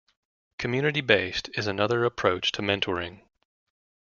"Community Based" is another approach to mentoring.